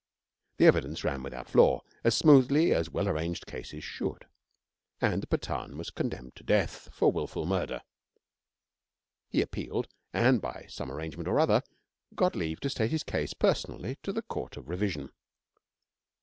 The evidence ran without flaw, as smoothly as well arranged cases should, and the Pathan was condemned to death for wilful murder. He appealed and, by some arrangement or other, got leave to state his case personally to the Court of Revision.